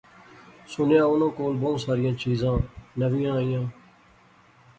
سُنیا اوناں کول بہوں ساریاں چیزاں نویاں ایاں